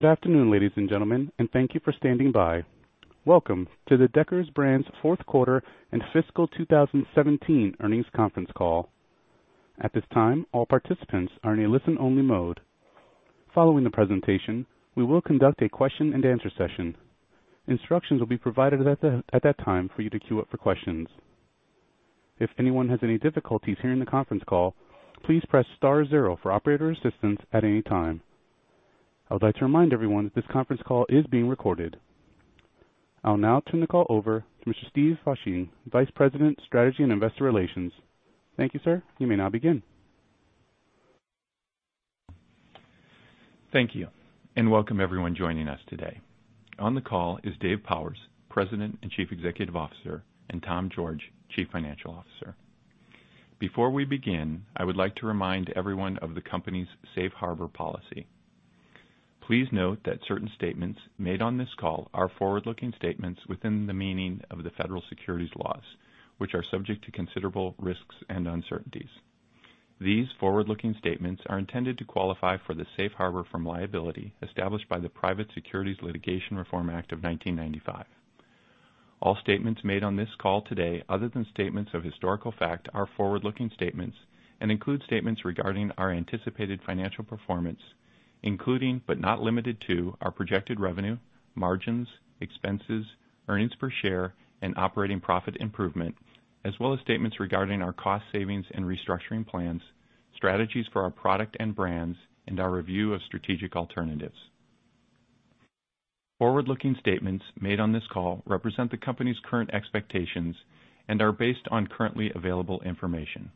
Good afternoon, ladies and gentlemen, and thank you for standing by. Welcome to the Deckers Brands' fourth quarter and fiscal 2017 earnings conference call. At this time, all participants are in a listen-only mode. Following the presentation, we will conduct a question and answer session. Instructions will be provided at that time for you to queue up for questions. If anyone has any difficulties hearing the conference call, please press star zero for operator assistance at any time. I would like to remind everyone that this conference call is being recorded. I'll now turn the call over to Mr. Steve Fasching, Vice President, Strategy and Investor Relations. Thank you, sir. You may now begin. Thank you, and welcome everyone joining us today. On the call is Dave Powers, President and Chief Executive Officer, and Tom George, Chief Financial Officer. Before we begin, I would like to remind everyone of the company's safe harbor policy. Please note that certain statements made on this call are forward-looking statements within the meaning of the Federal Securities laws, which are subject to considerable risks and uncertainties. These forward-looking statements are intended to qualify for the safe harbor from liability established by the Private Securities Litigation Reform Act of 1995. All statements made on this call today, other than statements of historical fact, are forward-looking statements and include statements regarding our anticipated financial performance, including, but not limited to our projected revenue, margins, expenses, earnings per share, and operating profit improvement, as well as statements regarding our cost savings and restructuring plans, strategies for our product and brands, and our review of strategic alternatives. Forward-looking statements made on this call represent the company's current expectations and are based on currently available information.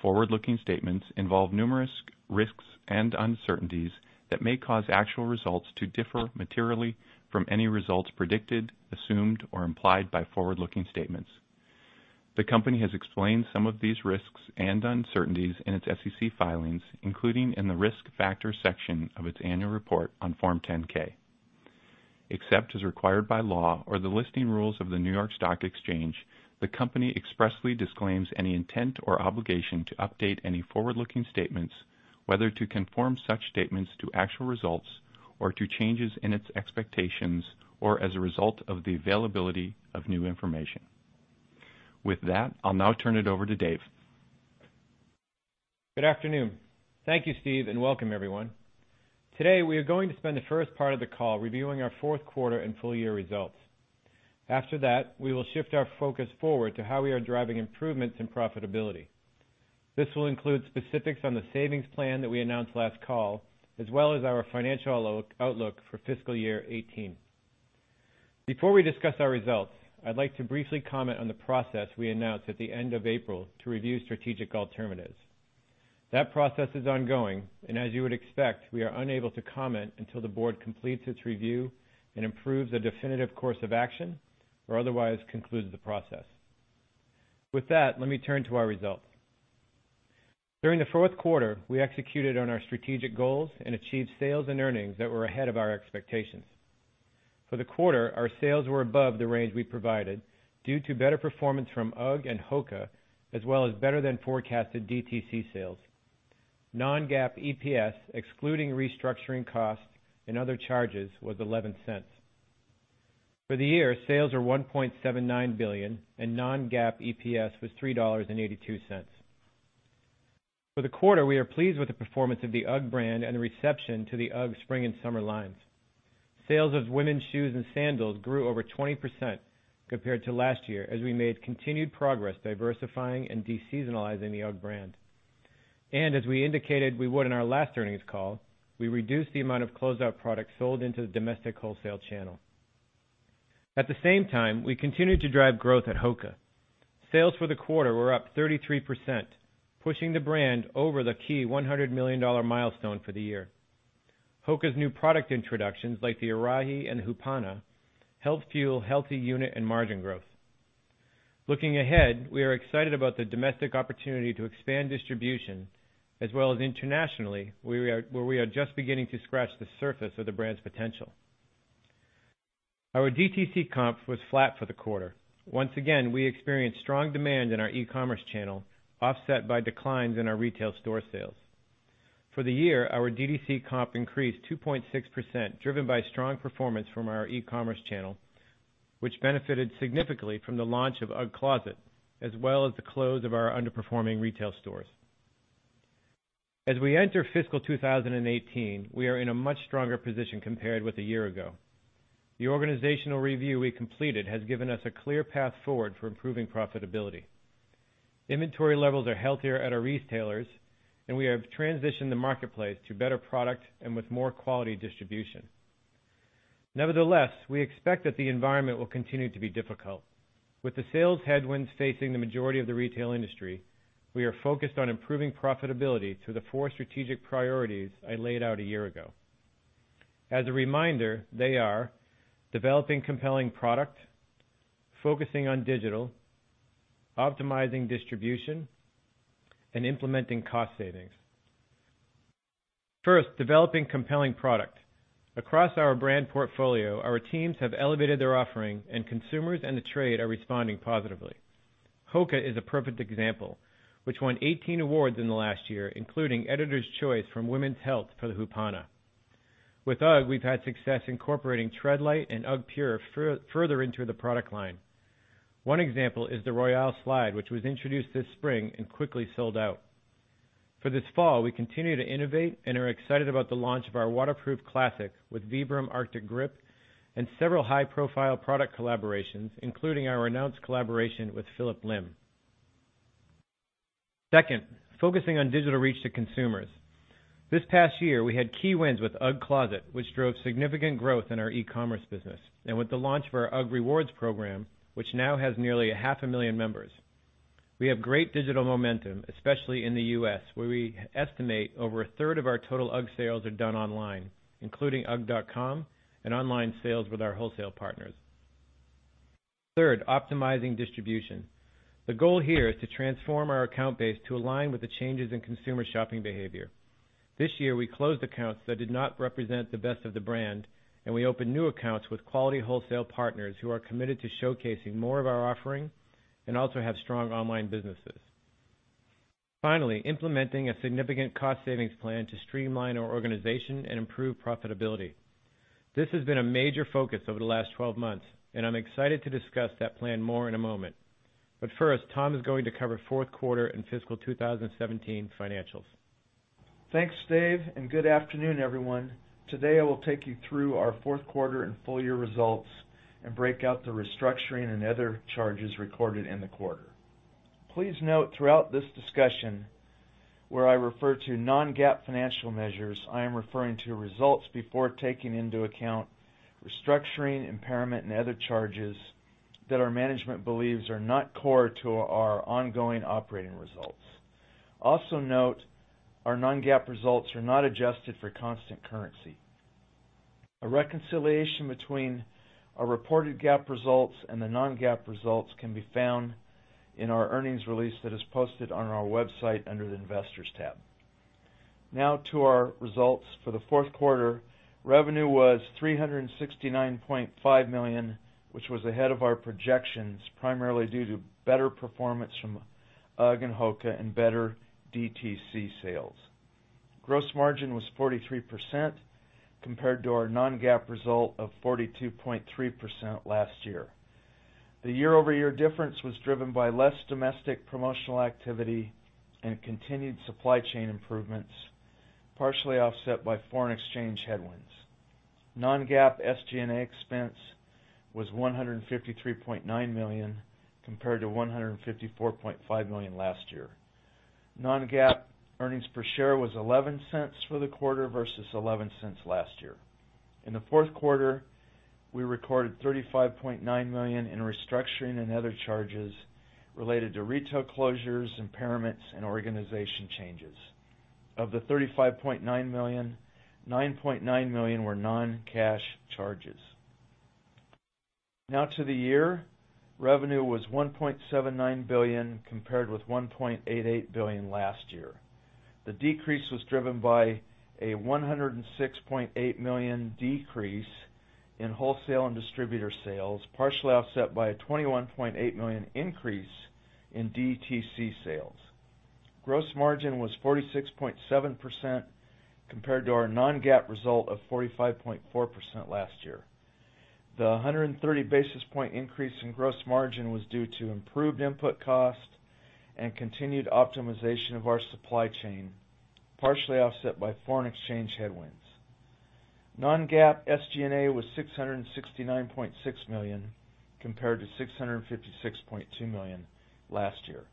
Forward-looking statements involve numerous risks and uncertainties that may cause actual results to differ materially from any results predicted, assumed, or implied by forward-looking statements. The company has explained some of these risks and uncertainties in its SEC filings, including in the Risk Factors section of its annual report on Form 10-K. Except as required by law or the listing rules of the New York Stock Exchange, the company expressly disclaims any intent or obligation to update any forward-looking statements, whether to conform such statements to actual results or to changes in its expectations, or as a result of the availability of new information. With that, I'll now turn it over to Dave. Good afternoon. Thank you, Steve, and welcome everyone. Today, we are going to spend the first part of the call reviewing our fourth quarter and full-year results. After that, we will shift our focus forward to how we are driving improvements in profitability. This will include specifics on the savings plan that we announced last call, as well as our financial outlook for fiscal year 2018. Before we discuss our results, I'd like to briefly comment on the process we announced at the end of April to review strategic alternatives. That process is ongoing. As you would expect, we are unable to comment until the board completes its review and approves a definitive course of action or otherwise concludes the process. With that, let me turn to our results. During the fourth quarter, we executed on our strategic goals and achieved sales and earnings that were ahead of our expectations. For the quarter, our sales were above the range we provided due to better performance from UGG and HOKA, as well as better-than-forecasted DTC sales. Non-GAAP EPS, excluding restructuring costs and other charges, was $0.11. For the year, sales were $1.79 billion. Non-GAAP EPS was $3.82. For the quarter, we are pleased with the performance of the UGG brand and the reception to the UGG spring and summer lines. Sales of women's shoes and sandals grew over 20% compared to last year as we made continued progress diversifying and de-seasonalizing the UGG brand. As we indicated we would in our last earnings call, we reduced the amount of closed-out product sold into the domestic wholesale channel. At the same time, we continued to drive growth at HOKA. Sales for the quarter were up 33%, pushing the brand over the key $100 million milestone for the year. HOKA's new product introductions, like the Arahi and Hupana, helped fuel healthy unit and margin growth. Looking ahead, we are excited about the domestic opportunity to expand distribution, as well as internationally, where we are just beginning to scratch the surface of the brand's potential. Our DTC comp was flat for the quarter. Once again, we experienced strong demand in our e-commerce channel, offset by declines in our retail store sales. For the year, our DTC comp increased 2.6%, driven by strong performance from our e-commerce channel, which benefited significantly from the launch of UGG Closet, as well as the close of our underperforming retail stores. As we enter fiscal 2018, we are in a much stronger position compared with a year ago. The organizational review we completed has given us a clear path forward for improving profitability. Inventory levels are healthier at our retailers. We have transitioned the marketplace to better product and with more quality distribution. Nevertheless, we expect that the environment will continue to be difficult. With the sales headwinds facing the majority of the retail industry, we are focused on improving profitability through the four strategic priorities I laid out a year ago. As a reminder, they are developing compelling product, focusing on digital, optimizing distribution, and implementing cost savings. First, developing compelling product. Across our brand portfolio, our teams have elevated their offering. Consumers and the trade are responding positively. HOKA is a perfect example, which won 18 awards in the last year, including Editor's Choice from Women's Health for the Hupana. With UGG, we've had success incorporating Treadlite and UGGpure further into the product line. One example is the Royale Slide, which was introduced this spring and quickly sold out. For this fall, we continue to innovate and are excited about the launch of our waterproof Classic with Vibram Arctic Grip and several high-profile product collaborations, including our announced collaboration with Phillip Lim. Second, focusing on digital reach to consumers. This past year, we had key wins with UGG Closet, which drove significant growth in our e-commerce business. With the launch of our UGG Rewards program, which now has nearly a half a million members. We have great digital momentum, especially in the U.S., where we estimate over a third of our total UGG sales are done online, including ugg.com and online sales with our wholesale partners. Third, optimizing distribution. The goal here is to transform our account base to align with the changes in consumer shopping behavior. This year, we closed accounts that did not represent the best of the brand, and we opened new accounts with quality wholesale partners who are committed to showcasing more of our offering and also have strong online businesses. Finally, implementing a significant cost savings plan to streamline our organization and improve profitability. This has been a major focus over the last 12 months, and I'm excited to discuss that plan more in a moment. First, Tom is going to cover fourth quarter and fiscal 2017 financials. Thanks, Dave, and good afternoon, everyone. Today, I will take you through our fourth quarter and full-year results and break out the restructuring and other charges recorded in the quarter. Please note throughout this discussion, where I refer to non-GAAP financial measures, I am referring to results before taking into account restructuring, impairment, and other charges that our management believes are not core to our ongoing operating results. Also note, our non-GAAP results are not adjusted for constant currency. A reconciliation between our reported GAAP results and the non-GAAP results can be found in our earnings release that is posted on our website under the Investors tab. Now to our results for the fourth quarter. Revenue was $369.5 million, which was ahead of our projections, primarily due to better performance from UGG and HOKA and better DTC sales. Gross margin was 43%, compared to our non-GAAP result of 42.3% last year. The year-over-year difference was driven by less domestic promotional activity and continued supply chain improvements, partially offset by foreign exchange headwinds. Non-GAAP SG&A expense was $153.9 million, compared to $154.5 million last year. Non-GAAP earnings per share was $0.11 for the quarter versus $0.11 last year. In the fourth quarter, we recorded $35.9 million in restructuring and other charges related to retail closures, impairments, and organization changes. Of the $35.9 million, $9.9 million were non-cash charges. Now to the year. Revenue was $1.79 billion compared with $1.88 billion last year. The decrease was driven by a $106.8 million decrease in wholesale and distributor sales, partially offset by a $21.8 million increase in DTC sales. Gross margin was 46.7%, compared to our non-GAAP result of 45.4% last year. The 130 basis point increase in gross margin was due to improved input cost and continued optimization of our supply chain, partially offset by foreign exchange headwinds. Non-GAAP SG&A was $669.6 million, compared to $656.2 million last year.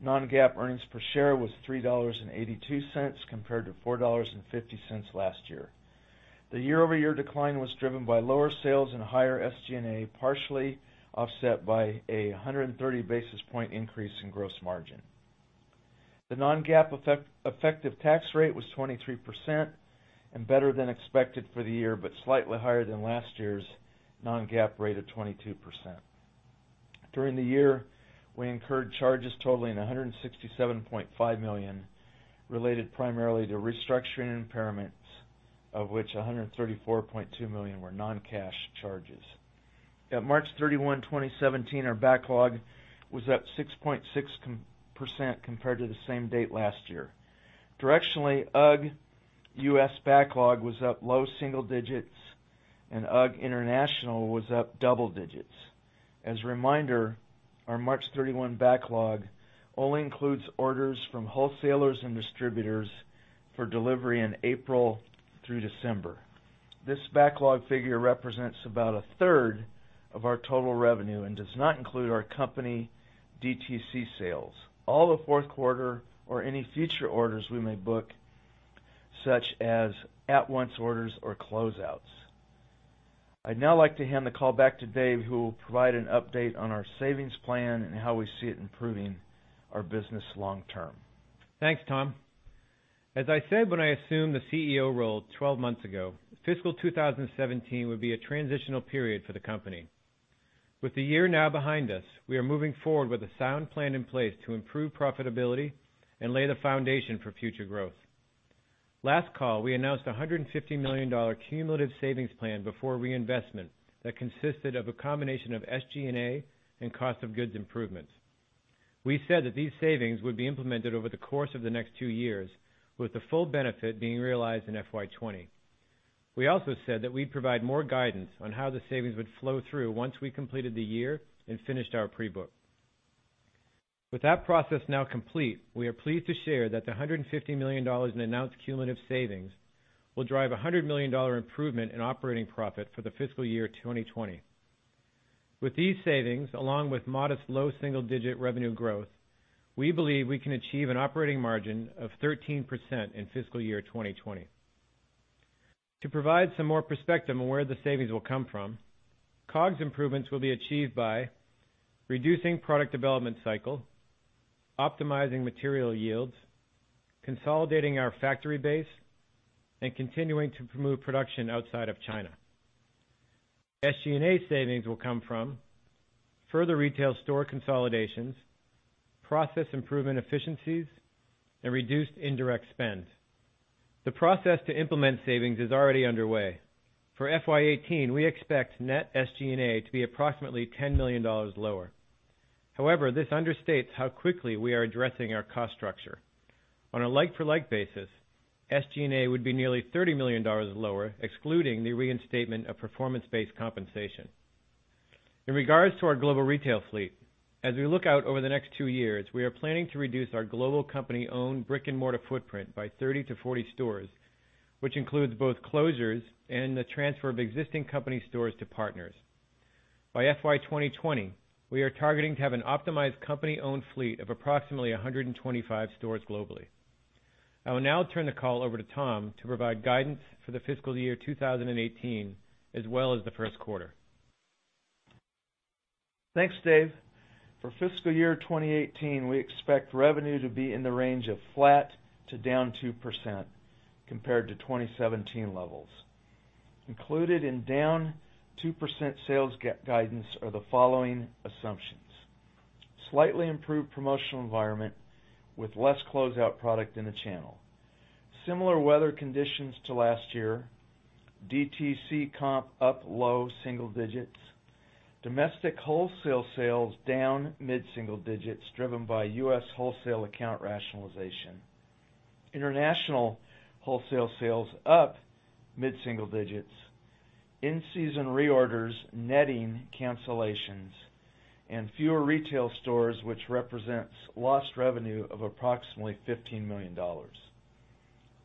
Non-GAAP earnings per share was $3.82 compared to $4.50 last year. The year-over-year decline was driven by lower sales and higher SG&A, partially offset by 130 basis point increase in gross margin. The non-GAAP effective tax rate was 23% and better than expected for the year, but slightly higher than last year's non-GAAP rate of 22%. During the year, we incurred charges totaling $167.5 million, related primarily to restructuring impairments, of which $134.2 million were non-cash charges. At March 31, 2017, our backlog was up 6.6% compared to the same date last year. Directionally, UGG U.S. backlog was up low single digits, and UGG International was up double digits. As a reminder, our March 31 backlog only includes orders from wholesalers and distributors for delivery in April through December. This backlog figure represents about a third of our total revenue and does not include our company DTC sales. All the fourth quarter or any future orders we may book, such as at-once orders or closeouts. I'd now like to hand the call back to Dave, who will provide an update on our savings plan and how we see it improving our business long term. Thanks, Tom. As I said when I assumed the CEO role 12 months ago, fiscal 2017 would be a transitional period for the company. With the year now behind us, we are moving forward with a sound plan in place to improve profitability and lay the foundation for future growth. Last call, we announced $150 million cumulative savings plan before reinvestment that consisted of a combination of SG&A and cost of goods improvements. We said that these savings would be implemented over the course of the next two years, with the full benefit being realized in FY 2020. We also said that we'd provide more guidance on how the savings would flow through once we completed the year and finished our pre-book. With that process now complete, we are pleased to share that the $150 million in announced cumulative savings will drive $100 million improvement in operating profit for the fiscal year 2020. With these savings, along with modest low single-digit revenue growth, we believe we can achieve an operating margin of 13% in fiscal year 2020. To provide some more perspective on where the savings will come from, COGS improvements will be achieved by reducing product development cycle, optimizing material yields, consolidating our factory base, and continuing to promote production outside of China. SG&A savings will come from further retail store consolidations, process improvement efficiencies, and reduced indirect spend. The process to implement savings is already underway. For FY 2018, we expect net SG&A to be approximately $10 million lower. However, this understates how quickly we are addressing our cost structure. On a like-for-like basis, SG&A would be nearly $30 million lower, excluding the reinstatement of performance-based compensation. In regards to our global retail fleet, as we look out over the next two years, we are planning to reduce our global company-owned brick-and-mortar footprint by 30 to 40 stores, which includes both closures and the transfer of existing company stores to partners. By FY 2020, we are targeting to have an optimized company-owned fleet of approximately 125 stores globally. I will now turn the call over to Tom to provide guidance for the fiscal year 2018, as well as the first quarter. Thanks, Dave. For fiscal year 2018, we expect revenue to be in the range of flat to down 2% compared to 2017 levels. Included in down 2% sales guidance are the following assumptions: slightly improved promotional environment with less closeout product in the channel, similar weather conditions to last year, DTC comp up low single digits, domestic wholesale sales down mid-single digits driven by U.S. wholesale account rationalization, international wholesale sales up mid-single digits, in-season reorders netting cancellations, and fewer retail stores, which represents lost revenue of approximately $15 million.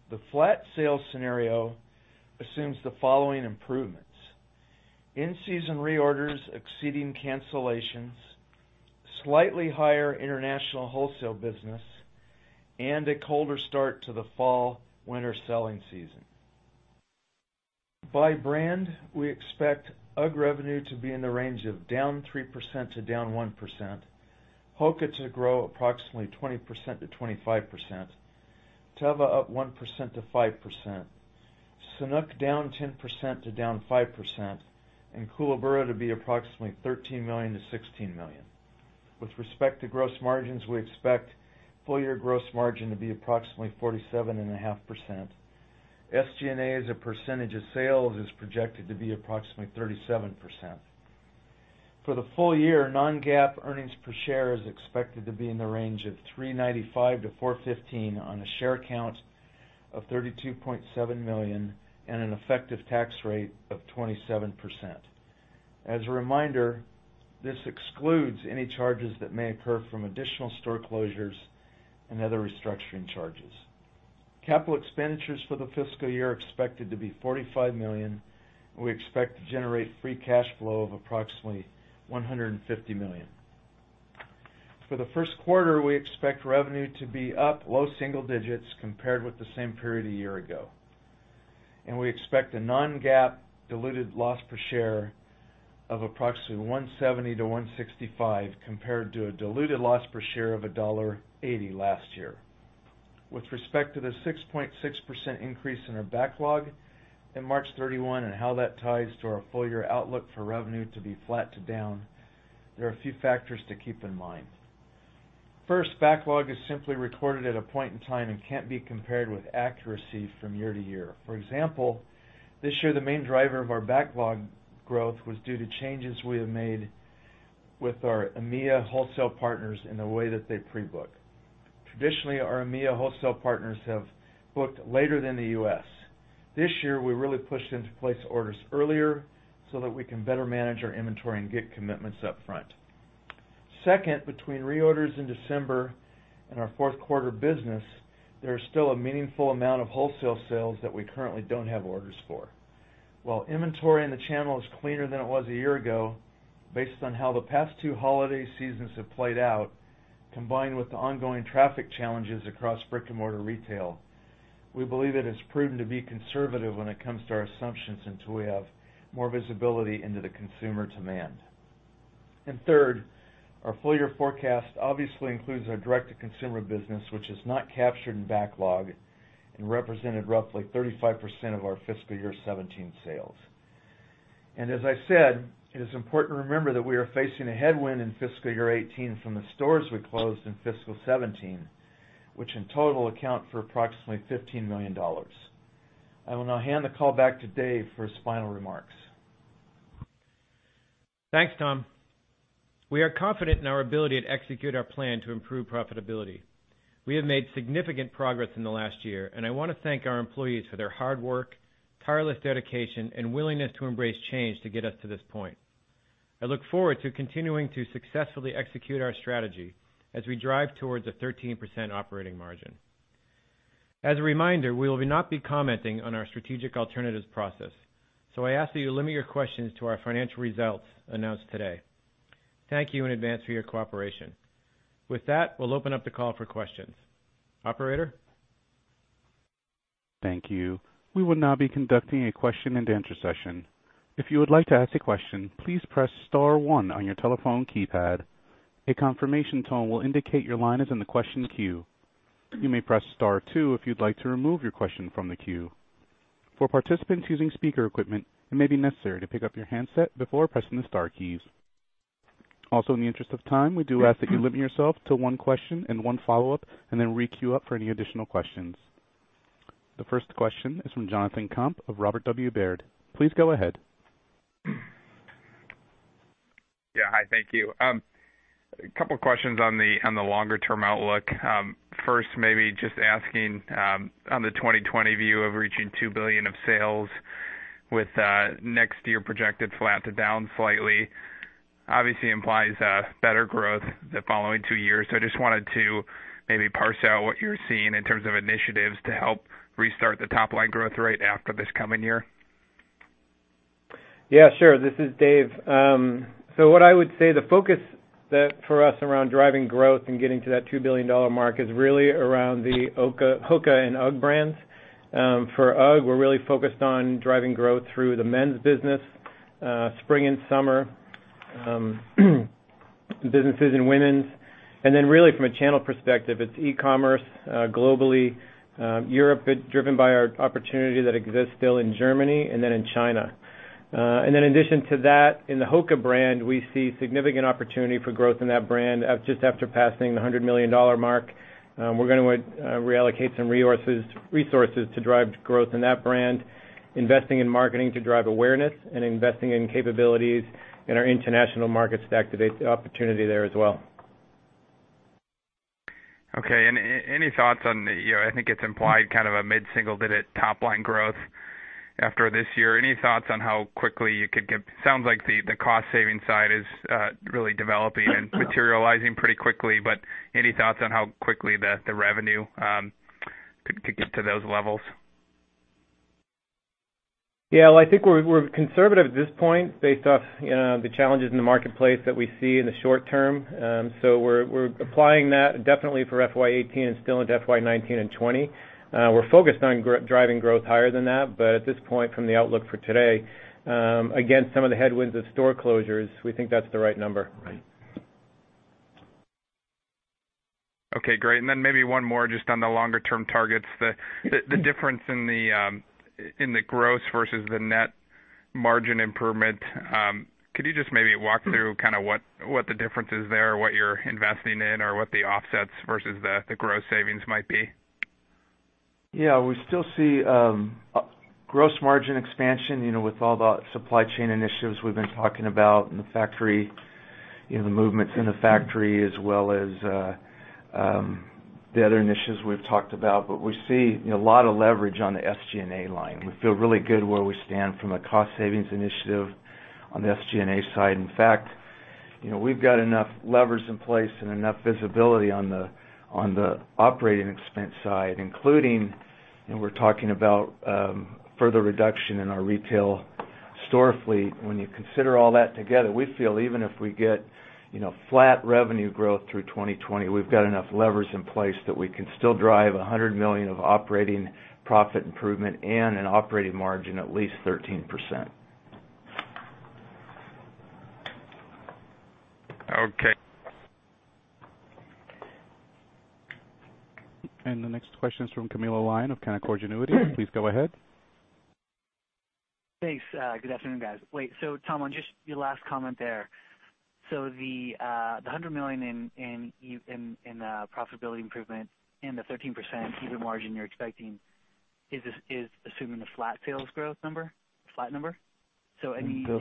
The flat sales scenario assumes the following improvements: in-season reorders exceeding cancellations, slightly higher international wholesale business, and a colder start to the fall/winter selling season. By brand, we expect UGG revenue to be in the range of -3% to -1%, HOKA to grow approximately 20%-25%, Teva up 1%-5%, Sanuk down -10% to -5%, and Koolaburra to be approximately $13 million-$16 million. With respect to gross margins, we expect full-year gross margin to be approximately 47.5%. SG&A as a percentage of sales is projected to be approximately 37%. For the full year, non-GAAP earnings per share is expected to be in the range of $3.95 to $4.15 on a share count of 32.7 million and an effective tax rate of 27%. As a reminder, this excludes any charges that may occur from additional store closures and other restructuring charges. Capital expenditures for the fiscal year are expected to be $45 million, and we expect to generate free cash flow of approximately $150 million. For the first quarter, we expect revenue to be up low single digits compared with the same period a year ago. We expect a non-GAAP diluted loss per share of approximately -$1.70 to -$1.65 compared to a diluted loss per share of $1.80 last year. With respect to the 6.6% increase in our backlog in March 31 and how that ties to our full-year outlook for revenue to be flat to down, there are a few factors to keep in mind. First, backlog is simply recorded at a point in time and can't be compared with accuracy from year-to-year. For example, this year the main driver of our backlog growth was due to changes we have made with our EMEA wholesale partners in the way that they pre-book. Traditionally, our EMEA wholesale partners have booked later than the U.S. This year, we really pushed them to place orders earlier so that we can better manage our inventory and get commitments up front. Second, between reorders in December and our fourth quarter business, there is still a meaningful amount of wholesale sales that we currently don't have orders for. While inventory in the channel is cleaner than it was a year ago, based on how the past two holiday seasons have played out, combined with the ongoing traffic challenges across brick-and-mortar retail, we believe that it's prudent to be conservative when it comes to our assumptions until we have more visibility into the consumer demand. Third, our full-year forecast obviously includes our direct-to-consumer business, which is not captured in backlog and represented roughly 35% of our fiscal year 2017 sales. As I said, it is important to remember that we are facing a headwind in fiscal year 2018 from the stores we closed in fiscal 2017, which in total account for approximately $15 million. I will now hand the call back to Dave for his final remarks. Thanks, Tom. We are confident in our ability to execute our plan to improve profitability. We have made significant progress in the last year, and I want to thank our employees for their hard work, tireless dedication, and willingness to embrace change to get us to this point. I look forward to continuing to successfully execute our strategy as we drive towards a 13% operating margin. As a reminder, we will not be commenting on our strategic alternatives process. I ask that you limit your questions to our financial results announced today. Thank you in advance for your cooperation. With that, we'll open up the call for questions. Operator? Thank you. We will now be conducting a question and answer session. If you would like to ask a question, please press star one on your telephone keypad. A confirmation tone will indicate your line is in the question queue. You may press star two if you'd like to remove your question from the queue. For participants using speaker equipment, it may be necessary to pick up your handset before pressing the star keys. Also, in the interest of time, we do ask that you limit yourself to one question and one follow-up, and then re-queue up for any additional questions. The first question is from Jonathan Komp of Robert W. Baird. Please go ahead. Yeah. Hi, thank you. A couple of questions on the longer-term outlook. First, maybe just asking on the 2020 view of reaching $2 billion of sales with next year projected flat to down slightly, obviously implies a better growth the following two years. I just wanted to maybe parse out what you're seeing in terms of initiatives to help restart the top-line growth rate after this coming year. Yeah, sure. This is Dave. What I would say, the focus for us around driving growth and getting to that $2 billion mark is really around the HOKA and UGG brands. For UGG, we're really focused on driving growth through the men's business, spring and summer businesses in women's. Really from a channel perspective, it's e-commerce globally. Europe is driven by our opportunity that exists still in Germany, and then in China. In addition to that, in the HOKA brand, we see significant opportunity for growth in that brand just after passing the $100 million mark. We're going to reallocate some resources to drive growth in that brand, investing in marketing to drive awareness and investing in capabilities in our international markets to activate the opportunity there as well. Okay. I think it's implied kind of a mid-single-digit top-line growth after this year. Sounds like the cost-saving side is really developing and materializing pretty quickly, any thoughts on how quickly the revenue could get to those levels? Yeah, well, I think we're conservative at this point based off the challenges in the marketplace that we see in the short term. We're applying that definitely for FY 2018 and still into FY 2019 and FY 2020. We're focused on driving growth higher than that, at this point, from the outlook for today, against some of the headwinds of store closures, we think that's the right number. Okay, great. Maybe one more just on the longer-term targets. The difference in the gross versus the net margin improvement. Could you just maybe walk through kind of what the difference is there, what you're investing in, or what the offsets versus the gross savings might be? Yeah. We still see gross margin expansion with all the supply chain initiatives we've been talking about and the movements in the factory, as well as the other initiatives we've talked about. We see a lot of leverage on the SG&A line. We feel really good where we stand from a cost savings initiative on the SG&A side. In fact, we've got enough levers in place and enough visibility on the operating expense side, including, we're talking about further reduction in our retail store fleet. When you consider all that together, we feel even if we get flat revenue growth through 2020, we've got enough levers in place that we can still drive $100 million of operating profit improvement and an operating margin at least 13%. Okay. The next question is from Camilo Lyon of Canaccord Genuity. Please go ahead. Thanks. Good afternoon, guys. Wait, Tom, on just your last comment there. The $100 million in the profitability improvement and the 13% EBITDA margin you're expecting is assuming a flat sales growth number? A flat number? The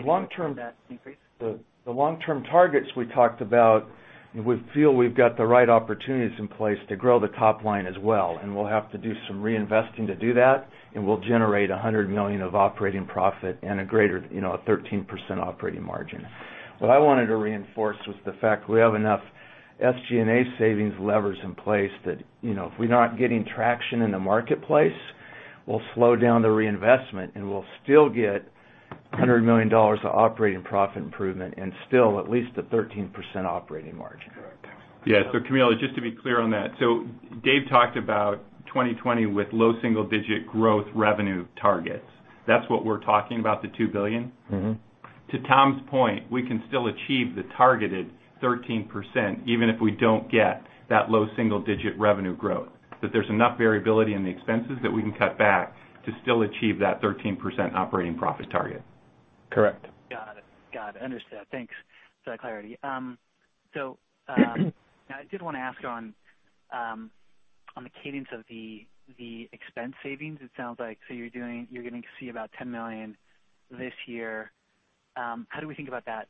long-term- increase? The long-term targets we talked about, we feel we've got the right opportunities in place to grow the top line as well, and we'll have to do some reinvesting to do that, and we'll generate $100 million of operating profit and a greater 13% operating margin. What I wanted to reinforce was the fact that we have enough SG&A savings levers in place that if we're not getting traction in the marketplace, we'll slow down the reinvestment, and we'll still get $100 million of operating profit improvement and still at least a 13% operating margin. Yeah. Camilo, just to be clear on that. Dave talked about 2020 with low single-digit growth revenue targets. That's what we're talking about, the $2 billion. To Tom's point, we can still achieve the targeted 13%, even if we don't get that low single-digit revenue growth. That there's enough variability in the expenses that we can cut back to still achieve that 13% operating profit target. Correct. Got it. Understood. Thanks for that clarity. I did want to ask on the cadence of the expense savings, it sounds like you're going to see about $10 million this year. How do we think about that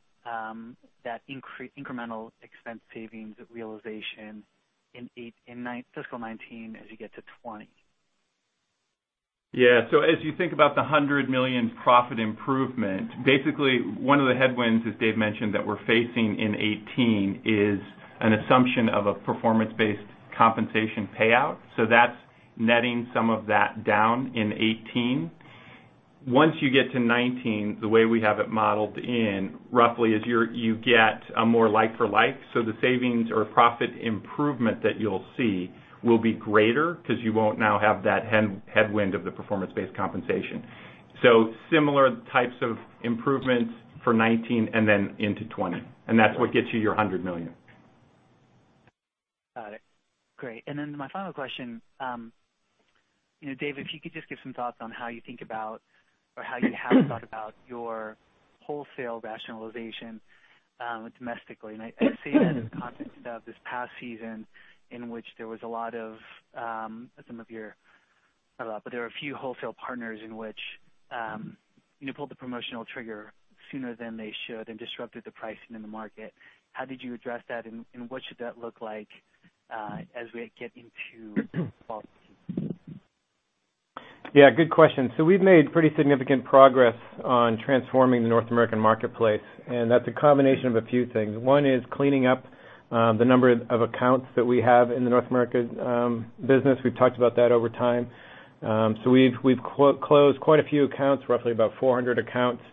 incremental expense savings realization in fiscal 2019 as you get to 2020? Yeah. As you think about the $100 million profit improvement, basically one of the headwinds, as Dave mentioned, that we're facing in 2018 is an assumption of a performance-based compensation payout. That's netting some of that down in 2018. Once you get to 2019, the way we have it modeled in, roughly, is you get a more like for like. The savings or profit improvement that you'll see will be greater because you won't now have that headwind of the performance-based compensation. Similar types of improvements for 2019 and then into 2020. That's what gets you your $100 million. Got it. Great. Then my final question. Dave, if you could just give some thoughts on how you think about or how you have thought about your wholesale rationalization domestically. I say that in the context of this past season, in which there was a lot of, some of your, not a lot, but there were a few wholesale partners in which they pulled the promotional trigger sooner than they should and disrupted the pricing in the market. How did you address that, and what should that look like as we get into fall? Yeah, good question. We've made pretty significant progress on transforming the North American marketplace, that's a combination of a few things. One is cleaning up the number of accounts that we have in the North America business. We've talked about that over time. We've closed quite a few accounts, roughly about 400 accounts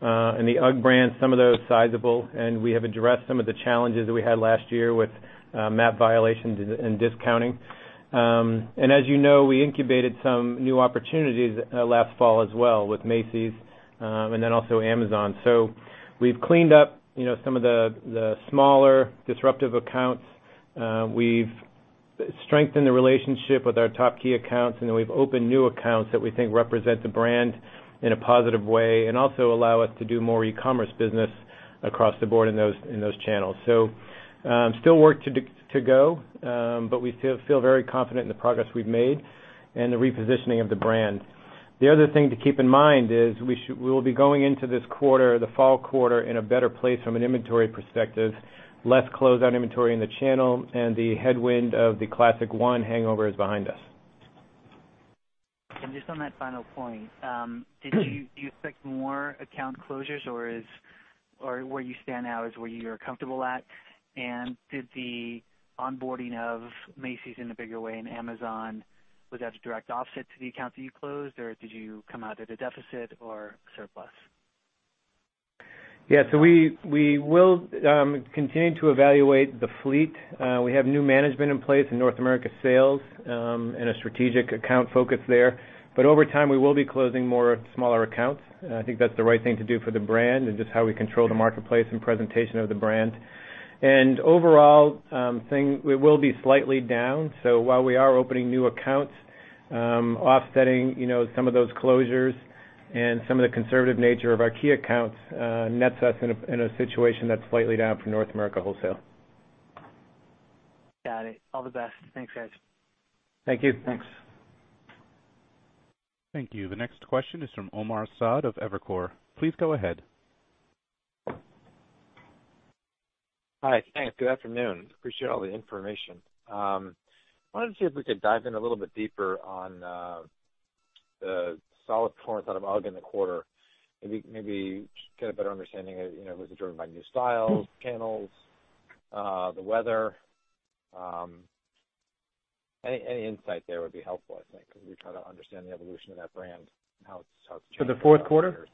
in the UGG brand, some of those sizable. We have addressed some of the challenges that we had last year with MAP violations and discounting. As you know, we incubated some new opportunities last fall as well with Macy's, then also Amazon. We've cleaned up some of the smaller disruptive accounts. We've strengthened the relationship with our top key accounts. We've opened new accounts that we think represent the brand in a positive way and also allow us to do more e-commerce business across the board in those channels. Still work to go. We feel very confident in the progress we've made and the repositioning of the brand. The other thing to keep in mind is we will be going into this quarter, the fall quarter, in a better place from an inventory perspective. Less closeout inventory in the channel and the headwind of the Classic I hangover is behind us. Just on that final point, do you expect more account closures or where you stand now is where you're comfortable at? Did the onboarding of Macy's in a bigger way and Amazon, was that a direct offset to the accounts that you closed, or did you come out at a deficit or surplus? We will continue to evaluate the fleet. We have new management in place in North America sales, and a strategic account focus there. Over time, we will be closing more smaller accounts. I think that's the right thing to do for the brand and just how we control the marketplace and presentation of the brand. Overall, we will be slightly down. While we are opening new accounts, offsetting some of those closures and some of the conservative nature of our key accounts nets us in a situation that's slightly down for North America wholesale. Got it. All the best. Thanks, guys. Thank you. Thanks. Thank you. The next question is from Omar Saad of Evercore. Please go ahead. Hi. Thanks. Good afternoon. Appreciate all the information. I wanted to see if we could dive in a little bit deeper on the solid performance out of UGG in the quarter. Maybe get a better understanding if it was driven by new styles, channels, the weather. Any insight there would be helpful, I think, because we try to understand the evolution of that brand and how it's For the fourth quarter?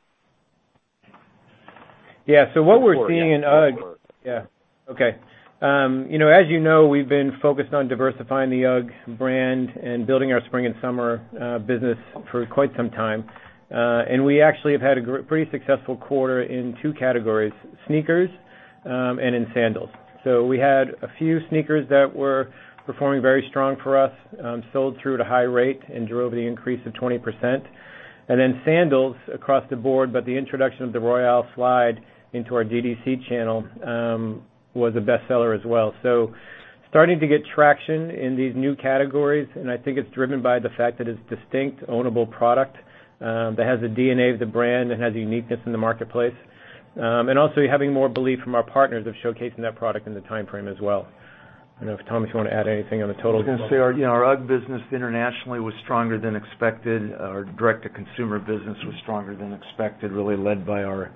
Yeah. What we're seeing in UGG Yeah. Okay. As you know, we've been focused on diversifying the UGG brand and building our spring and summer business for quite some time. We actually have had a pretty successful quarter in two categories, sneakers and in sandals. We had a few sneakers that were performing very strong for us, sold through at a high rate and drove the increase of 20%. Sandals across the board, but the introduction of the Royale Slide into our DTC channel was a best-seller as well. Starting to get traction in these new categories, and I think it's driven by the fact that it's distinct ownable product that has the DNA of the brand and has uniqueness in the marketplace. Also having more belief from our partners of showcasing that product in the timeframe as well. I don't know if, Tom, you want to add anything on the total. I was going to say, our UGG business internationally was stronger than expected. Our direct-to-consumer business was stronger than expected, really led by our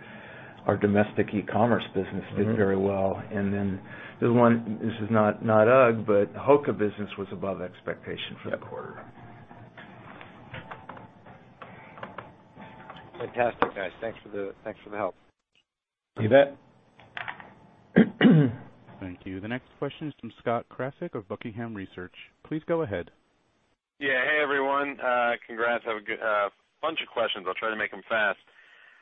domestic e-commerce business. Did very well. There's one, this is not UGG, but the HOKA business was above expectation for the quarter. Fantastic, guys. Thanks for the help. You bet. Thank you. The next question is from Scott Krasik of Buckingham Research. Please go ahead. Yeah. Hey, everyone. Congrats. I have a bunch of questions. I'll try to make them fast.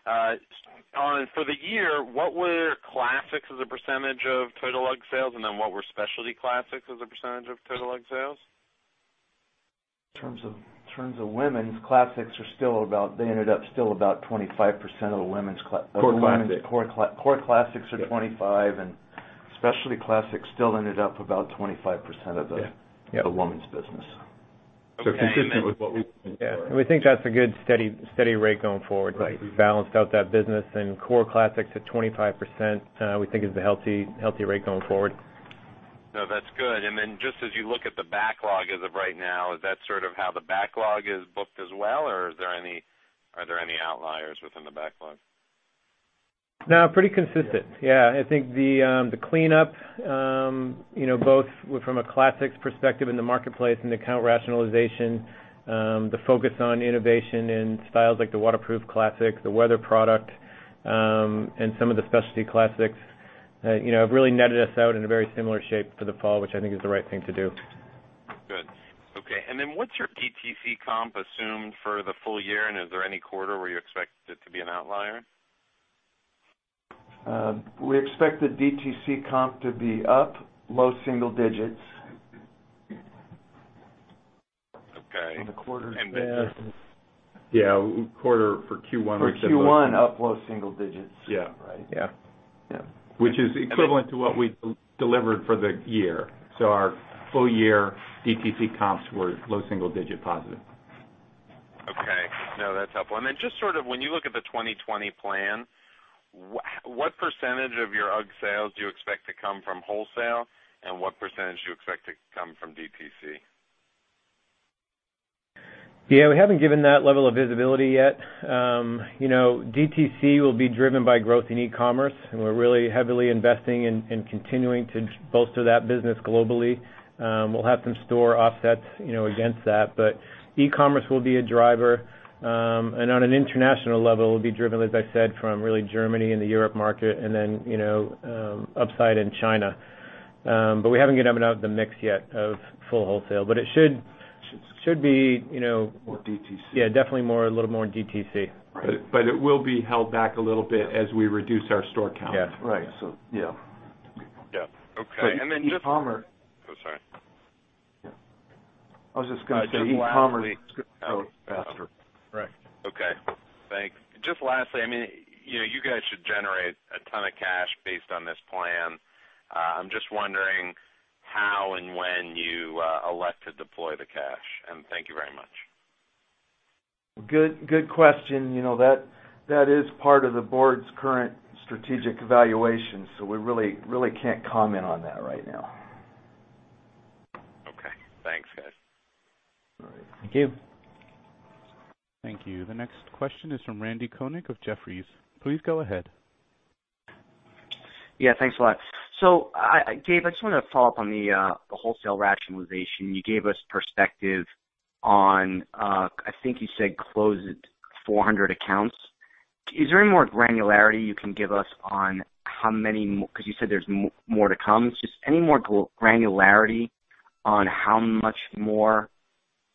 For the year, what were Classics as a percentage of total UGG sales, and then what were specialty Classics as a percentage of total UGG sales? In terms of women's, they ended up still about 25% of the women's- Core Classics. Core Classics are 25%, specialty Classics still ended up about 25% of the Yeah the women's business. Okay. Consistent with what we were. Yeah. We think that's a good steady rate going forward. Right. Balanced out that business. Core Classics at 25% we think is the healthy rate going forward. No, that's good. Just as you look at the backlog as of right now, is that sort of how the backlog is booked as well? Are there any outliers within the backlog? No, pretty consistent. Yeah, I think the cleanup, both from a Classics perspective in the marketplace and account rationalization, the focus on innovation in styles like the waterproof Classic, the weather product, and some of the specialty Classics, have really netted us out in a very similar shape for the fall, which I think is the right thing to do. Good. Okay. Then what's your DTC comp assumed for the full year, and is there any quarter where you expect it to be an outlier? We expect the DTC comp to be up low single digits. Okay. For the quarter. Yeah. Quarter for Q1 we said. For Q1, up low single digits. Yeah. Right. Yeah. Yeah. Which is equivalent to what we delivered for the year. Our full year DTC comps were low single digit positive. Okay. No, that's helpful. Then just sort of when you look at the 2020 plan, what percentage of your UGG sales do you expect to come from wholesale, and what percentage do you expect to come from DTC? Yeah, we haven't given that level of visibility yet. DTC will be driven by growth in e-commerce, and we're really heavily investing in continuing to bolster that business globally. We'll have some store offsets against that. E-commerce will be a driver. On an international level, it'll be driven, as I said, from really Germany and the Europe market and then upside in China. We haven't given out the mix yet of full wholesale. More DTC. Yeah, definitely a little more DTC. It will be held back a little bit as we reduce our store count. Yes. Right. Yeah. Yeah. Okay. E-commerce. Oh, sorry. I was just going to say e-commerce is growing faster. Right. Okay, thanks. Just lastly, you guys should generate a ton of cash based on this plan. I'm just wondering how and when you elect to deploy the cash, and thank you very much. Good question. That is part of the board's current strategic evaluation, so we really can't comment on that right now. Okay, thanks, guys. All right. Thank you. Thank you. The next question is from Randal Konik of Jefferies. Please go ahead. Yeah, thanks a lot. Dave, I just want to follow up on the wholesale rationalization. You gave us perspective on, I think you said closed 400 accounts. Is there any more granularity you can give us on how many more? Because you said there's more to come. Just any more granularity on how much more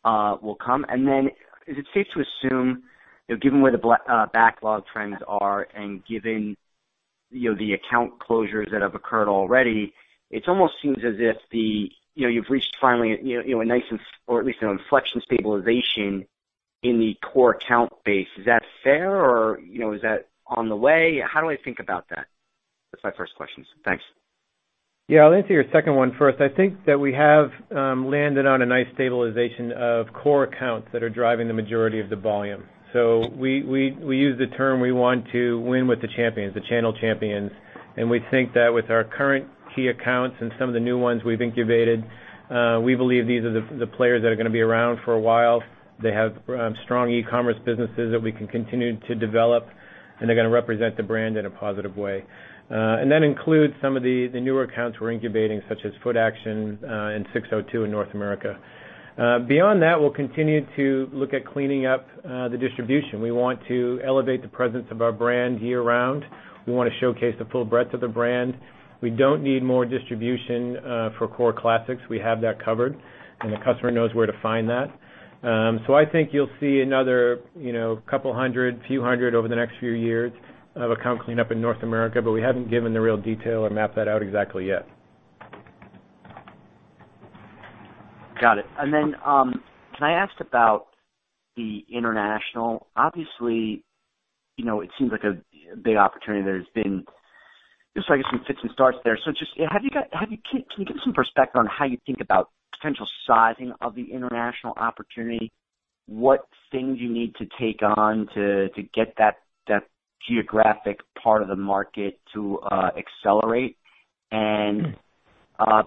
will come? Then is it safe to assume, given where the backlog trends are and given the account closures that have occurred already, it almost seems as if you've reached finally a nice or at least an inflection stabilization in the core account base. Is that fair, or is that on the way? How do I think about that? That's my first question. Thanks. Yeah, I'll answer your second one first. I think that we have landed on a nice stabilization of core accounts that are driving the majority of the volume. We use the term we want to win with the champions, the channel champions, and we think that with our current key accounts and some of the new ones we've incubated, we believe these are the players that are going to be around for a while. They have strong e-commerce businesses that we can continue to develop, and they're going to represent the brand in a positive way. That includes some of the newer accounts we're incubating, such as Footaction and SIX:02 in North America. Beyond that, we'll continue to look at cleaning up the distribution. We want to elevate the presence of our brand year-round. We want to showcase the full breadth of the brand. We don't need more distribution for core Classics. We have that covered, and the customer knows where to find that. I think you'll see another couple hundred, few hundred over the next few years of account cleanup in North America, but we haven't given the real detail or mapped that out exactly yet. Got it. Can I ask about the international? Obviously, it seems like a big opportunity there's been, just I guess some fits and starts there. Can you give some perspective on how you think about potential sizing of the international opportunity? What things you need to take on to get that geographic part of the market to accelerate?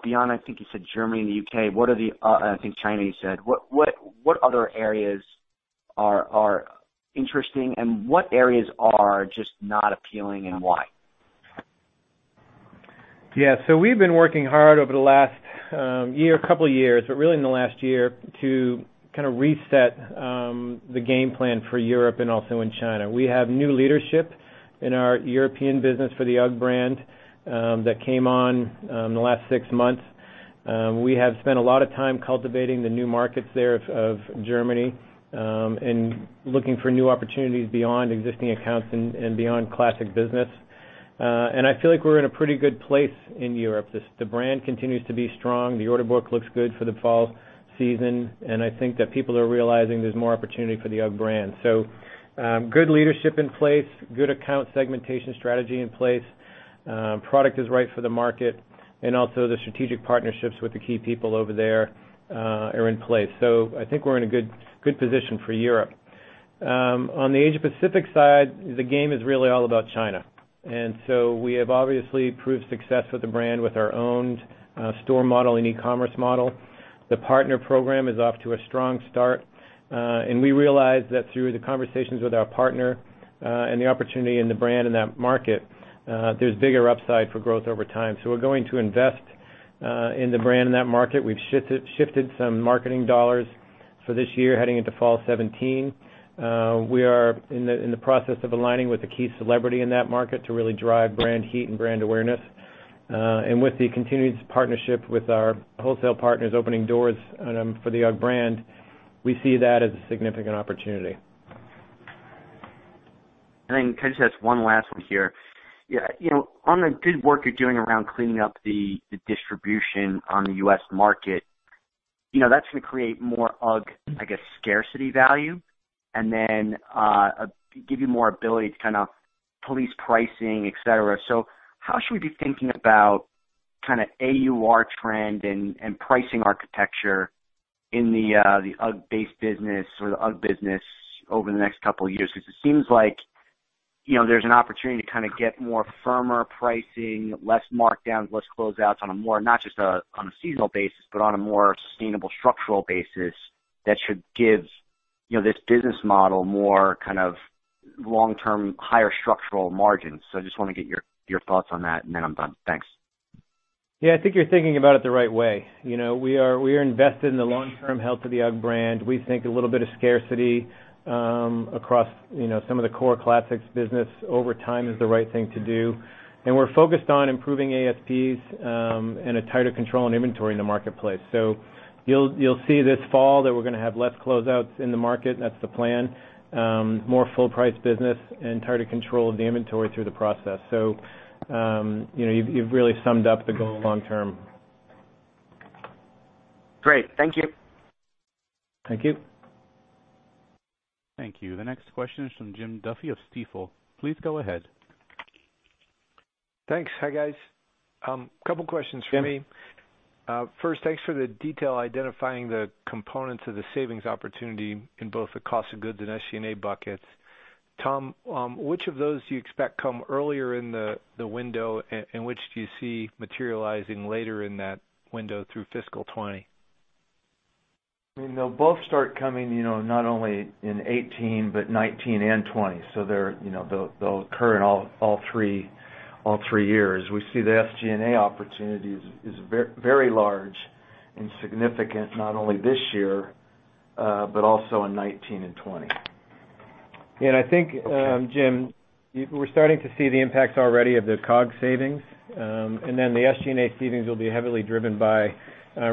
Beyond, I think you said Germany and the U.K., I think China you said, what other areas are interesting, and what areas are just not appealing and why? Yeah. We've been working hard over the last year, couple years, but really in the last year, to kind of reset the game plan for Europe and also in China. We have new leadership in our European business for the UGG brand that came on in the last 6 months. We have spent a lot of time cultivating the new markets there of Germany, and looking for new opportunities beyond existing accounts and beyond Classic business. I feel like we're in a pretty good place in Europe. The brand continues to be strong. The order book looks good for the fall season, and I think that people are realizing there's more opportunity for the UGG brand. Good leadership in place, good account segmentation strategy in place, product is right for the market, and also the strategic partnerships with the key people over there are in place. I think we're in a good position for Europe. On the Asia Pacific side, the game is really all about China. We have obviously proved success with the brand with our owned store model and e-commerce model. The partner program is off to a strong start. We realized that through the conversations with our partner, and the opportunity in the brand in that market, there's bigger upside for growth over time. We're going to invest in the brand in that market. We've shifted some marketing dollars for this year heading into fall 2017. We are in the process of aligning with a key celebrity in that market to really drive brand heat and brand awareness. With the continued partnership with our wholesale partners opening doors for the UGG brand, we see that as a significant opportunity. Can I just ask one last one here. On the good work you're doing around cleaning up the distribution on the U.S. market, that's going to create more UGG, I guess, scarcity value, and then give you more ability to kind of police pricing, et cetera. How should we be thinking about kind of AUR trend and pricing architecture in the UGG-based business or the UGG business over the next couple of years? Because it seems like there's an opportunity to kind of get more firmer pricing, less markdowns, less closeouts on a more, not just on a seasonal basis, but on a more sustainable structural basis that should give this business model more kind of long-term, higher structural margins. I just want to get your thoughts on that, and then I'm done. Thanks. Yeah, I think you're thinking about it the right way. We are invested in the long-term health of the UGG brand. We think a little bit of scarcity across some of the core Classics business over time is the right thing to do. We're focused on improving ASPs and a tighter control on inventory in the marketplace. You'll see this fall that we're going to have less closeouts in the market. That's the plan. More full-price business and tighter control of the inventory through the process. You've really summed up the goal long term. Great. Thank you. Thank you. Thank you. The next question is from Jim Duffy of Stifel. Please go ahead. Thanks. Hi, guys. Couple questions from me. First, thanks for the detail identifying the components of the savings opportunity in both the cost of goods and SG&A buckets. Tom, which of those do you expect come earlier in the window, and which do you see materializing later in that window through fiscal 2020? I mean, they'll both start coming not only in 2018 but 2019 and 2020. They'll occur in all three years. We see the SG&A opportunity is very large and significant, not only this year, but also in 2019 and 2020. I think, Jim, we're starting to see the impacts already of the COGS savings. The SG&A savings will be heavily driven by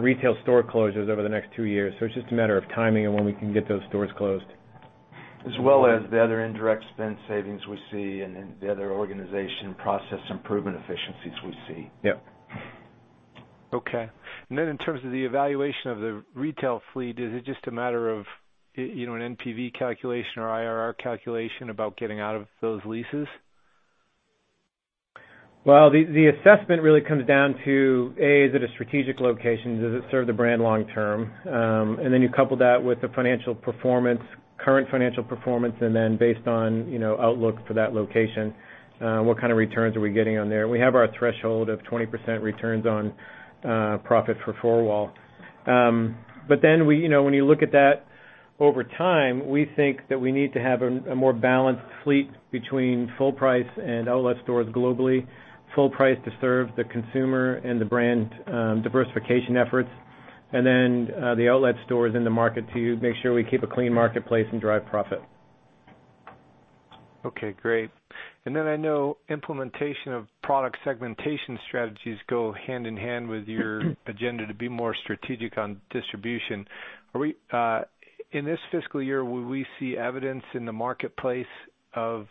retail store closures over the next two years. It's just a matter of timing and when we can get those stores closed. As well as the other indirect spend savings we see and the other organization process improvement efficiencies we see. Okay. In terms of the evaluation of the retail fleet, is it just a matter of an NPV calculation or IRR calculation about getting out of those leases? Well, the assessment really comes down to A, is it a strategic location, does it serve the brand long term? You couple that with the financial performance, current financial performance, based on outlook for that location, what kind of returns are we getting on there. We have our threshold of 20% returns on profit for 4-wall. When you look at that over time, we think that we need to have a more balanced fleet between full price and outlet stores globally. Full price to serve the consumer and the brand diversification efforts, and then the outlet stores in the market to make sure we keep a clean marketplace and drive profit. Okay, great. I know implementation of product segmentation strategies go hand in hand with your agenda to be more strategic on distribution. In this fiscal year, will we see evidence in the marketplace of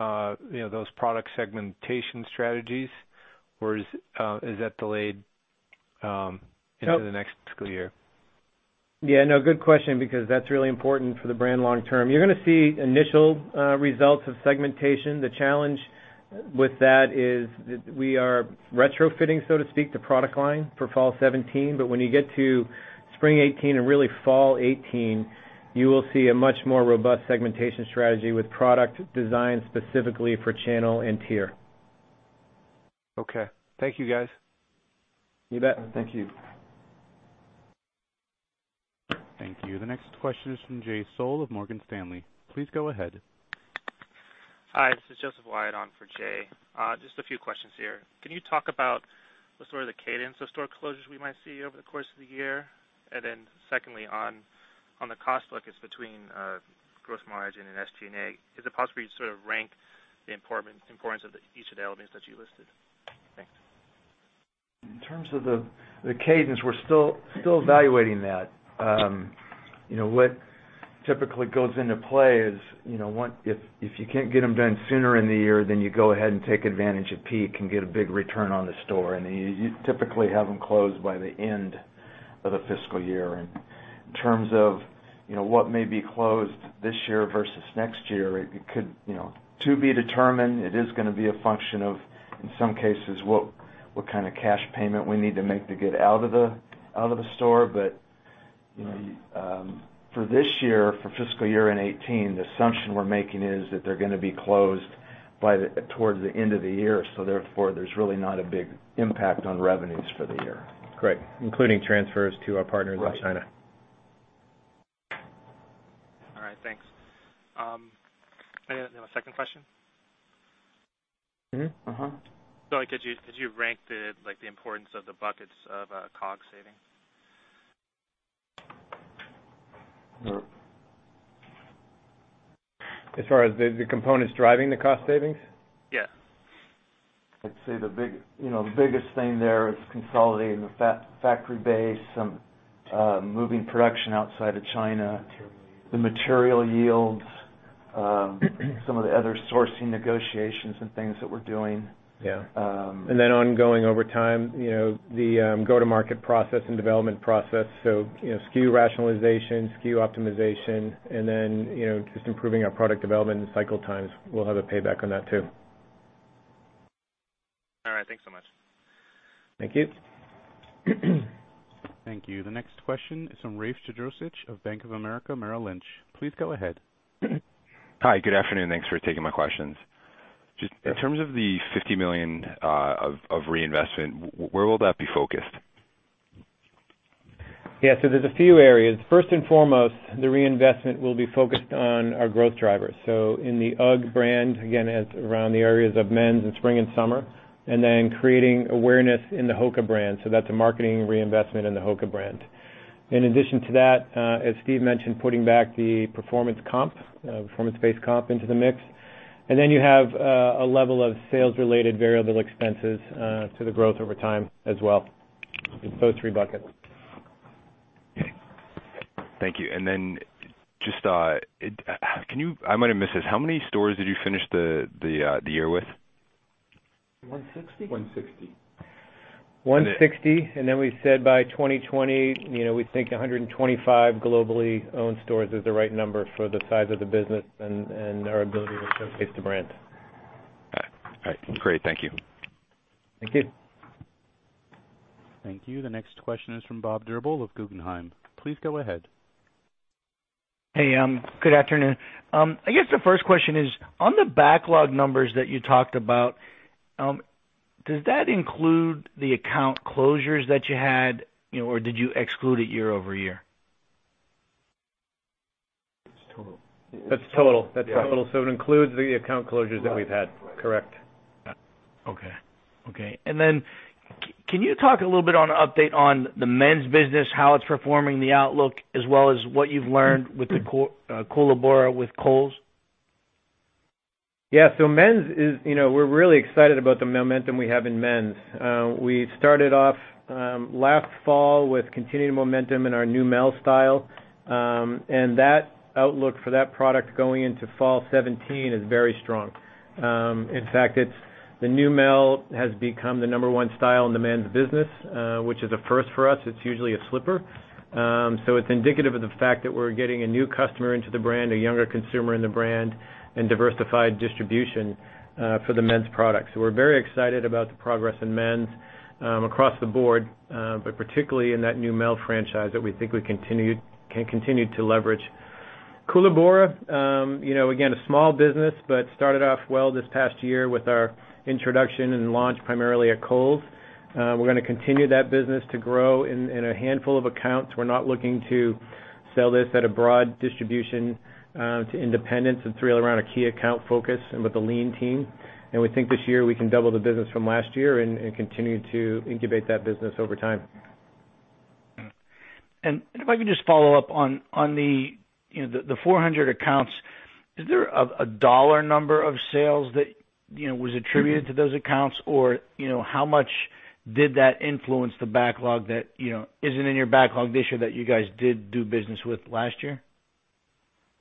those product segmentation strategies? Is that delayed into the next fiscal year? Yeah, no, good question because that's really important for the brand long term. You're going to see initial results of segmentation. The challenge with that is we are retrofitting, so to speak, the product line for fall 2017. When you get to spring 2018 and really fall 2018, you will see a much more robust segmentation strategy with product designed specifically for channel and tier. Okay. Thank you, guys. You bet. Thank you. Thank you. The next question is from Jay Sole of Morgan Stanley. Please go ahead. Hi, this is Joseph Wyatt on for Jay. Just a few questions here. Can you talk about the sort of the cadence of store closures we might see over the course of the year? Secondly, on the cost buckets between gross margin and SG&A, is it possible you sort of rank the importance of each of the elements that you listed? Thanks. In terms of the cadence, we're still evaluating that. What typically goes into play is, if you can't get them done sooner in the year, then you go ahead and take advantage of peak and get a big return on the store, and you typically have them closed by the end of the fiscal year. In terms of what may be closed this year versus next year, to be determined. It is going to be a function of, in some cases, what kind of cash payment we need to make to get out of the store. For this year, for fiscal year-end 2018, the assumption we're making is that they're going to be closed towards the end of the year. Therefore, there's really not a big impact on revenues for the year. Great. Including transfers to our partners in China. Right. All right. Thanks. You have a second question? Could you rank the importance of the buckets of COGS saving? As far as the components driving the cost savings? Yeah. I'd say the biggest thing there is consolidating the factory base, moving production outside of China, the material yields, some of the other sourcing negotiations and things that we're doing. Yeah. Ongoing over time, the go-to-market process and development process. SKU rationalization, SKU optimization, just improving our product development and cycle times. We'll have a payback on that, too. All right. Thanks so much. Thank you. Thank you. The next question is from Rafe Jadrosich of Bank of America Merrill Lynch. Please go ahead. Hi. Good afternoon. Thanks for taking my questions. Just in terms of the $50 million of reinvestment, where will that be focused? Yeah. There's a few areas. First and foremost, the reinvestment will be focused on our growth drivers. In the UGG brand, again, around the areas of men's in spring and summer, and then creating awareness in the HOKA brand. That's a marketing reinvestment in the HOKA brand. In addition to that, as Steve mentioned, putting back the performance comp, performance-based comp into the mix. You have a level of sales-related variable expenses to the growth over time as well. Those three buckets. Thank you. I might have missed this. How many stores did you finish the year with? 160? 160. We said by 2020, we think 125 globally owned stores is the right number for the size of the business and our ability to showcase the brand. All right. Great. Thank you. Thank you. Thank you. The next question is from Bob Drbul of Guggenheim. Please go ahead. Hey, good afternoon. I guess the first question is, on the backlog numbers that you talked about, does that include the account closures that you had, or did you exclude it year-over-year? It's total. That's total. It includes the account closures that we've had. Right. Correct. Then can you talk a little bit on an update on the men's business, how it's performing, the outlook, as well as what you've learned with the Koolaburra with Kohl's? Yeah. Men's, we're really excited about the momentum we have in men's. We started off last fall with continued momentum in our Neumel style. That outlook for that product going into fall 2017 is very strong. In fact, the Neumel has become the number one style in the men's business, which is a first for us. It's usually a slipper. It's indicative of the fact that we're getting a new customer into the brand, a younger consumer in the brand, and diversified distribution for the men's products. We're very excited about the progress in men's across the board, but particularly in that Neumel franchise that we think we can continue to leverage. Koolaburra, again, a small business, but started off well this past year with our introduction and launch primarily at Kohl's. We're going to continue that business to grow in a handful of accounts. We're not looking to sell this at a broad distribution to independents. It's really around a key account focus and with a lean team. We think this year we can double the business from last year and continue to incubate that business over time. If I could just follow up on the 400 accounts. Is there a dollar number of sales that was attributed to those accounts? How much did that influence the backlog that isn't in your backlog this year that you guys did do business with last year?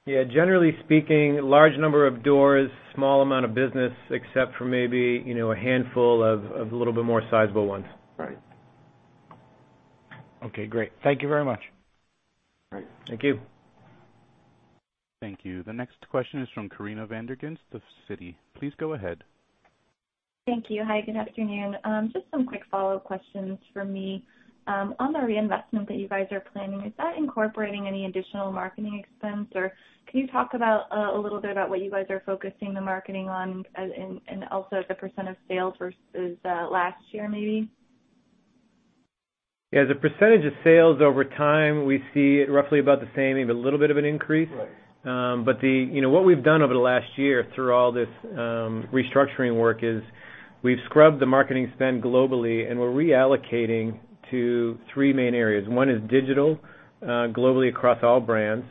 Yeah. Generally speaking, large number of doors, small amount of business, except for maybe a handful of little bit more sizable ones. Right. Okay, great. Thank you very much. Great. Thank you. Thank you. The next question is from Corinna van der Ghinst of Citi. Please go ahead. Thank you. Hi, good afternoon. Just some quick follow-up questions from me. On the reinvestment that you guys are planning, is that incorporating any additional marketing expense, or can you talk a little bit about what you guys are focusing the marketing on and also the % of sales versus last year, maybe? Yeah. The % of sales over time, we see it roughly about the same, maybe a little bit of an increase. Right. What we've done over the last year through all this restructuring work is we've scrubbed the marketing spend globally. We're reallocating to three main areas. One is digital globally across all brands.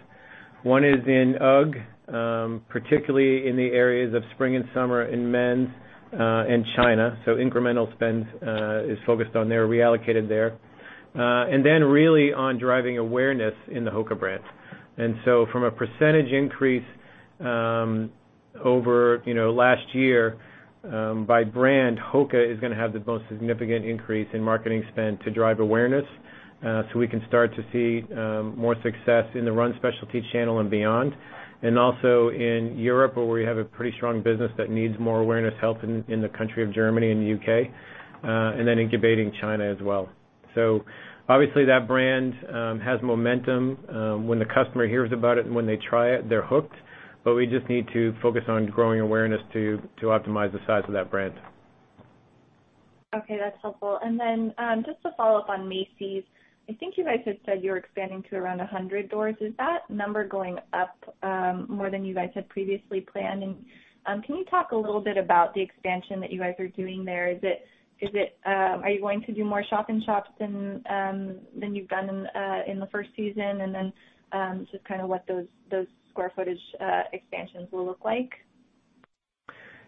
One is in UGG, particularly in the areas of spring and summer in men's and China. Incremental spend is focused on there, reallocated there. Really on driving awareness in the HOKA brand. From a % increase over last year by brand, HOKA is going to have the most significant increase in marketing spend to drive awareness, so we can start to see more success in the run specialty channel and beyond. Also in Europe, where we have a pretty strong business that needs more awareness help in the country of Germany and the U.K., and then incubating China as well. Obviously that brand has momentum. When the customer hears about it and when they try it, they're hooked. We just need to focus on growing awareness to optimize the size of that brand. Okay, that's helpful. Then just to follow up on Macy's, I think you guys had said you were expanding to around 100 doors. Is that number going up more than you guys had previously planned? Can you talk a little bit about the expansion that you guys are doing there? Are you going to do more shop in shops than you've done in the first season? Just kind of what those square footage expansions will look like.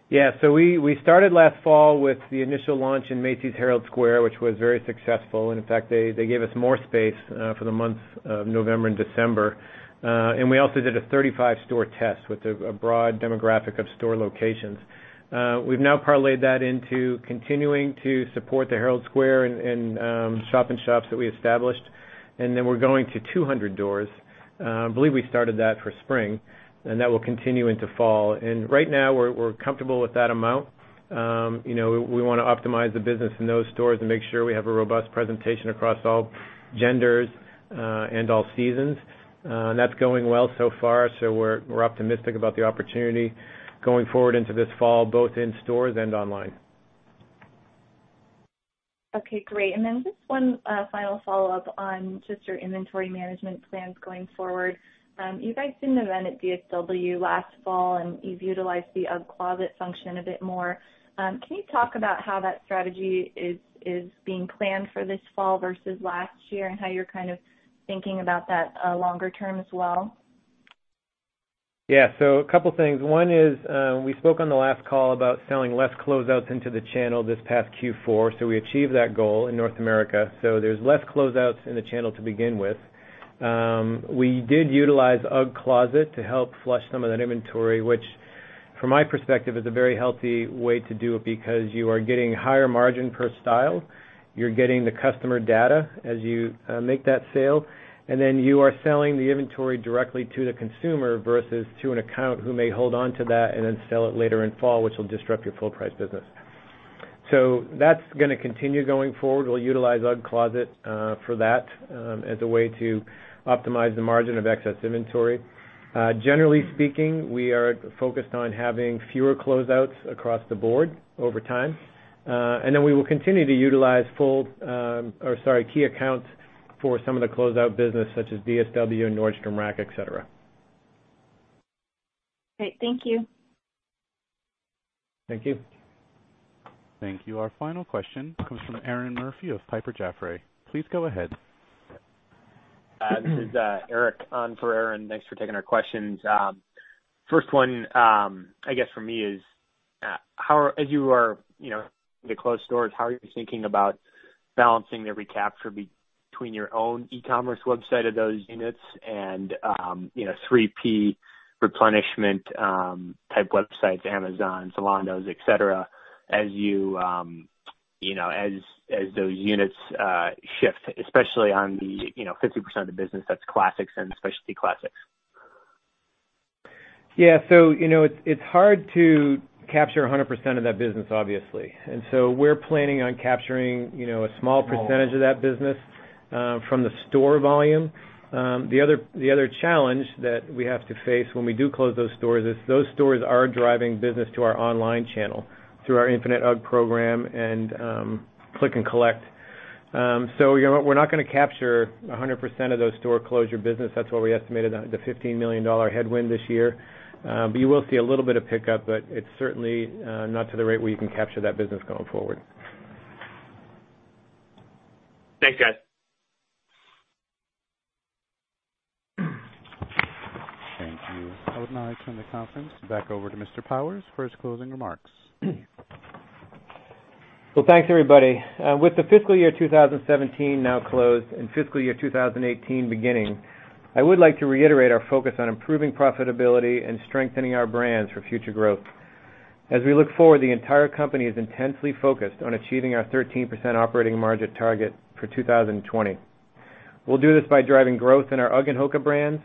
Yeah. We started last fall with the initial launch in Macy's Herald Square, which was very successful. In fact, they gave us more space for the months of November and December. We also did a 35 store test with a broad demographic of store locations. We've now parlayed that into continuing to support the Herald Square and shop in shops that we established. Then we're going to 200 doors. I believe we started that for spring, that will continue into fall. Right now we're comfortable with that amount. We want to optimize the business in those stores and make sure we have a robust presentation across all genders and all seasons. That's going well so far, so we're optimistic about the opportunity going forward into this fall, both in stores and online. Okay, great. Then just one final follow-up on just your inventory management plans going forward. You guys did an event at DSW last fall, you've utilized the UGG Closet function a bit more. Can you talk about how that strategy is being planned for this fall versus last year, how you're kind of thinking about that longer term as well? Yeah. A couple things. One is, we spoke on the last call about selling less closeouts into the channel this past Q4. We achieved that goal in North America. There's less closeouts in the channel to begin with. We did utilize UGG Closet to help flush some of that inventory, which from my perspective, is a very healthy way to do it because you are getting higher margin per style. You're getting the customer data as you make that sale, you are selling the inventory directly to the consumer versus to an account who may hold onto that and then sell it later in fall, which will disrupt your full price business. That's going to continue going forward. We'll utilize UGG Closet for that as a way to optimize the margin of excess inventory. Generally speaking, we are focused on having fewer closeouts across the board over time. Then we will continue to utilize key accounts for some of the closeout business such as DSW and Nordstrom Rack, et cetera. Great. Thank you. Thank you. Thank you. Our final question comes from Erinn Murphy of Piper Jaffray. Please go ahead. This is Eric on for Erinn. Thanks for taking our questions. First one, I guess for me is, as you are closing the closed stores, how are you thinking about balancing the recapture between your own e-commerce website of those units and 3P replenishment type websites, Amazon, Zalando, et cetera, as those units shift, especially on the 50% of the business that's classics and specialty classics? Yeah. It's hard to capture 100% of that business, obviously. We're planning on capturing a small percentage of that business from the store volume. The other challenge that we have to face when we do close those stores is those stores are driving business to our online channel through our Infinite UGG program and click and collect. We're not going to capture 100% of those store closure business. That's why we estimated the $15 million headwind this year. You will see a little bit of pickup, but it's certainly not to the rate where you can capture that business going forward. Thanks, guys. Thank you. I would now turn the conference back over to Mr. Powers for his closing remarks. Well, thanks, everybody. With the fiscal year 2017 now closed and fiscal year 2018 beginning, I would like to reiterate our focus on improving profitability and strengthening our brands for future growth. As we look forward, the entire company is intensely focused on achieving our 13% operating margin target for 2020. We'll do this by driving growth in our UGG and HOKA brands,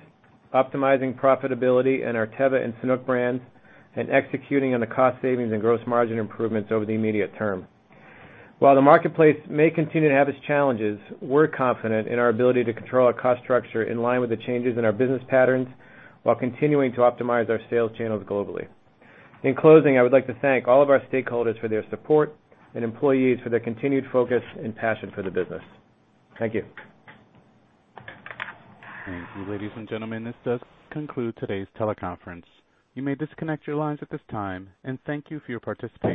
optimizing profitability in our Teva and Sanuk brands, and executing on the cost savings and gross margin improvements over the immediate term. While the marketplace may continue to have its challenges, we're confident in our ability to control our cost structure in line with the changes in our business patterns while continuing to optimize our sales channels globally. In closing, I would like to thank all of our stakeholders for their support and employees for their continued focus and passion for the business. Thank you. Thank you. Ladies and gentlemen, this does conclude today's teleconference. You may disconnect your lines at this time, and thank you for your participation.